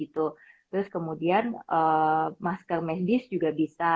terus kemudian masker medis juga bisa